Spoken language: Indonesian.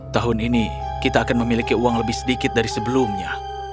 tahun ini kita akan memiliki uang lebih sedikit dari sebelumnya